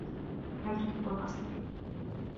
هل تحب العصير?